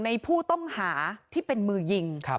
ในผู้ต้องหาที่เป็นมือยิง